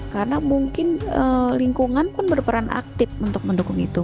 karena mungkin lingkungan pun berperan aktif untuk mendukung itu